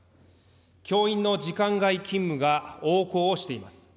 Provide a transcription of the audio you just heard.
教員の時間外勤務が横行しています。